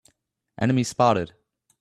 Enemy spotted!